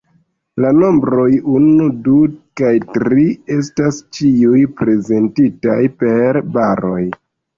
La nombroj unu, du kaj tri estas ĉiuj prezentitaj per baroj.